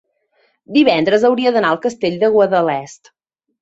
Divendres hauria d'anar al Castell de Guadalest.